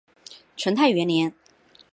成泰元年。